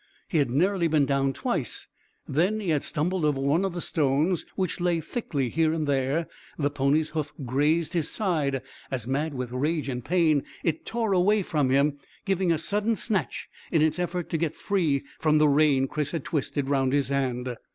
He had nearly been down twice; then he had stumbled over one of the stones which lay thickly here and there; the pony's hoof grazed his side as, mad with rage and pain, it tore away from him, giving a sudden snatch in its effort to get free from the rein Chris had twisted round his hand.